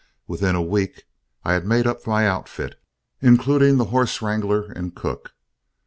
Within a week I had made up my outfit, including the horse wrangler and cook.